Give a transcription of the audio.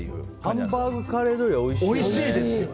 ハンバーグカレードリアおいしいよね。